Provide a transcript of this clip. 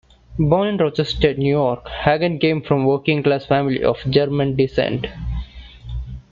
Born in Rochester, New York, Hagen came from a working-class family of German descent.